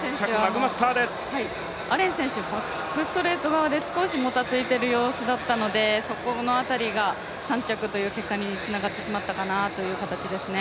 アレン選手、バックストレート側で少しもたついている様子だったのでそこの辺りが、３着という結果につながってしまったかなという感じですね。